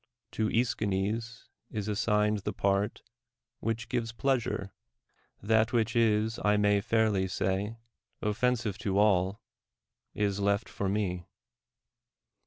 To JEschines is assigned the part which gives pleasure ; that which is (I may fairly say) offensive to all, is left for me.